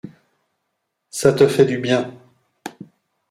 Ça te fait du bien...